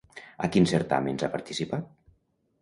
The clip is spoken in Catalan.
A quins certàmens ha participat?